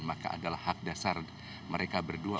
maka adalah hak dasar mereka berdua